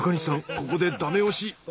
ここでだめ押し。